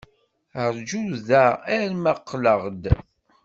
Ṛju da arma qqleɣ-d.